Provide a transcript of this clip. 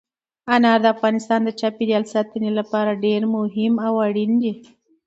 انار د افغانستان د چاپیریال ساتنې لپاره ډېر مهم او اړین دي.